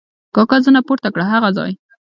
کاکا زنه پورته کړه: هغه ځای!